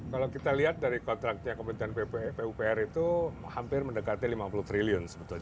kalau kita lihat dari kontraknya kementerian pupr itu hampir mendekati lima puluh triliun sebetulnya